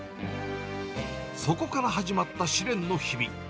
そこから始まった試練の日々。